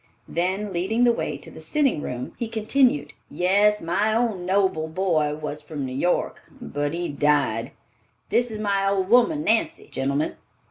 Then leading the way to the sitting room, he continued, "Yes, my own noble boy was from New York, but he died (this is my old woman Nancy, gentlemen).